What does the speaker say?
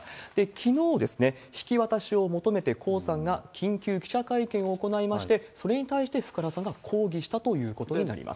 きのうですね、引き渡しを求めて、江さんが緊急記者会見を行いまして、それに対して福原さんが抗議したということになります。